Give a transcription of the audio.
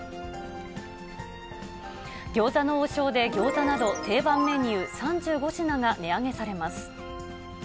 餃子の王将でギョーザなど、定番メニュー３５品が値上げされます。